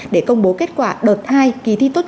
để công bố kết quả đợt hai